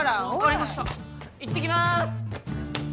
いってきます！